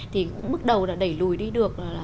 thì cũng bước đầu đã đẩy lùi đi được